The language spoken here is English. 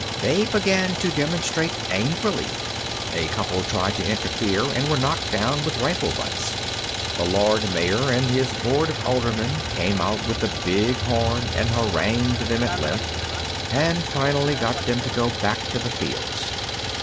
They began to demonstrate angrily. A couple tried to interfere and were knocked down with rifle butts. The Lord Mayor and his Board of Aldermen came out with the big horn and harangued them at length, and finally got them to go back to the fields.